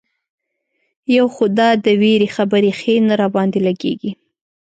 یو خو دا د وېرې خبرې ښې نه را باندې لګېږي.